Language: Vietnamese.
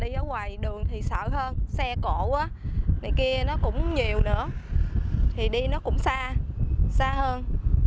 ở ngoài đường thì sợ hơn xe cổ này kia nó cũng nhiều nữa thì đi nó cũng xa xa hơn